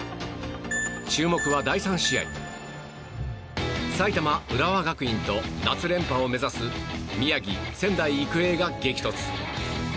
注目は第３試合埼玉・浦和学院と夏連覇を目指す宮城・仙台育英が激突。